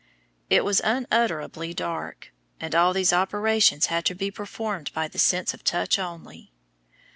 It was unutterably dark, and all these operations had to be performed by the sense of touch only.